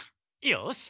よし！